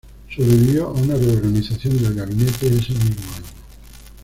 Sobrevivió a una reorganización del gabinete ese mismo año.